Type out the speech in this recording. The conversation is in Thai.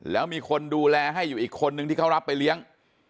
แล้วมีคนดูแลให้อยู่อีกคนนึงที่เขารับไปเลี้ยง